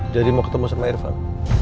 jadi mau ketemu sama irfan